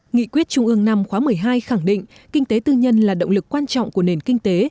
nghị quyết trung ương năm khóa một mươi hai khẳng định kinh tế tư nhân là động lực quan trọng của nền kinh tế